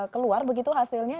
keluar begitu hasilnya